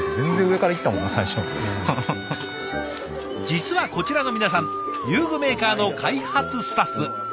実はこちらの皆さん遊具メーカーの開発スタッフ。